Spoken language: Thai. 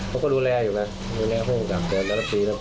เขาก็ดูแลอยู่นะดูแลห้องกลางเติมแล้วละปีแต่ละ